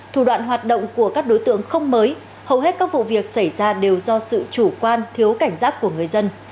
thủ đoạn hoạt động của các đối tượng không mới hầu hết các vụ việc xảy ra đều do sự chủ quan thiếu cảnh giác của người dân